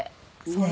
ねえ。